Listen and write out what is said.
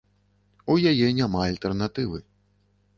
У яе няма альтэрнатывы.